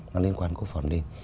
nó liên quan đến quốc phòng hoàn minh